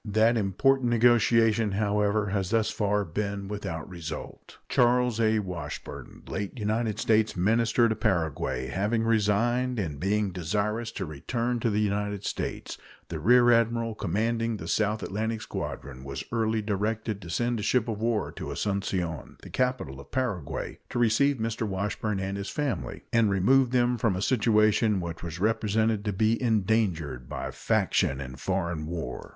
That important negotiation, however, has thus far been without result. Charles A. Washburn, late United States minister to Paraguay, having resigned, and being desirous to return to the United States, the rear admiral commanding the South Atlantic Squadron was early directed to send a ship of war to Asuncion, the capital of Paraguay, to receive Mr. Washburn and his family and remove them from a situation which was represented to be endangered by faction and foreign war.